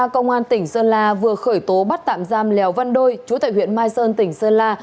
công an tỉnh sơn la vừa khởi tố bắt tạm giam lèo văn đôi chú tại huyện mai sơn tỉnh sơn la